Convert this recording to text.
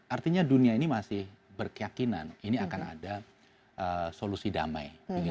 artinya dunia ini masih berkeyakinan ini akan ada solusi damai